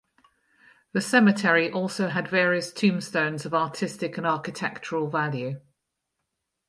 The cemetery also had various tombstones of artistic and architectural value.